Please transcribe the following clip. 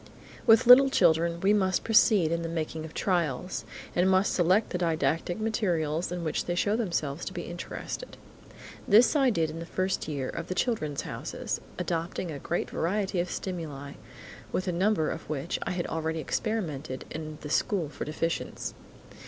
With little children, we must proceed to the making of trials, and must select the didactic materials in which they show themselves to be interested. This I did in the first year of the "Children's Houses" adopting a great variety of stimuli, with a number of which I had already experimented in the school for deficients.